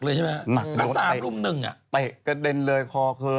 เลยใช่ไหมหนักน้องสามกลุ่มหนึ่งอะเตะเก่ดนเลยคอ